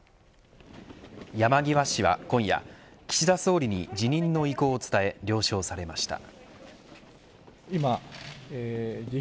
山際氏は今夜岸田総理に辞任の意向を伝え了承されました。